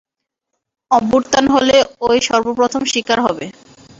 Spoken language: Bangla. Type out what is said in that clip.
অভ্যুত্থান হলে অই সর্বপ্রথম শিকার হবে।